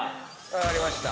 分かりました。